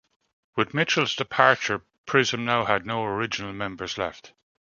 With Mitchell's departure, Prism now had no original members left.